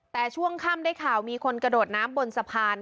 แต่ช่วงค่ำได้ข่าวมีคนกระโดดน้ำบนสะพาน